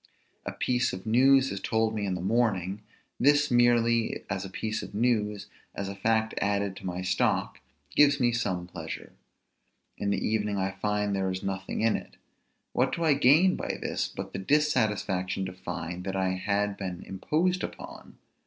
A piece of news is told me in the morning; this, merely as a piece of news, as a fact added to my stock, gives me some pleasure. In the evening I find there was nothing in it. What do I gain by this, but the dissatisfaction to find that I had been imposed upon?